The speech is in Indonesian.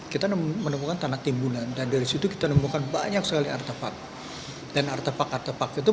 kita menemukan tanah timbunan dan dari situ kita menemukan banyak sekali artefak dan artefak artefak itu